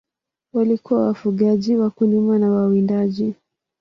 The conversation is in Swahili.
Walikuwa wafugaji, wakulima na wawindaji.